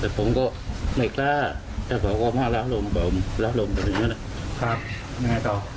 แต่ผมก็ไม่กล้าแต่เขาก็มาล้าลมล้าลมแบบนี้แหละครับยังไงต่อ